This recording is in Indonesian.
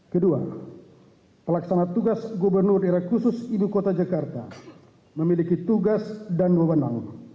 kedua pelaksana tugas gubernur daerah khusus ibu kota jakarta memiliki tugas dan wewenang